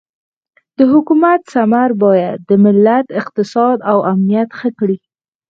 د حکومت ثمر باید د ملت اقتصاد او امنیت ښه کړي.